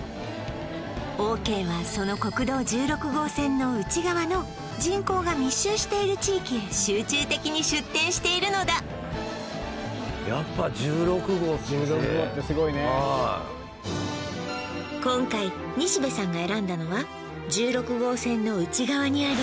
オーケーはその国道１６号線の内側の人口が密集している地域へ集中的に出店しているのだ今回西部さんが選んだのは１６号線の内側にあり